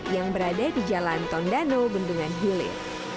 yang berada di jalan tondano bendungan hilir